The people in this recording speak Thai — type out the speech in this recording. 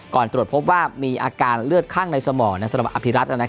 ตรวจพบว่ามีอาการเลือดข้างในสมองสำหรับอภิรัต